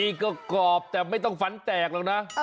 นี่ก็กรอบแต่ไม่ต้องฟันแตกหรอกนะ